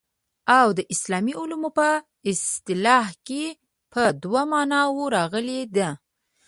او د اسلامي علومو په اصطلاح کي په دوو معناوو راغلې ده.